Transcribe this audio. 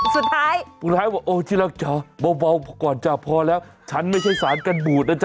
สุดท้ายที่รักจ๋าเบาก่อนจ้ะพอแล้วฉันไม่ใช่สารกันบูดนะจ๊ะ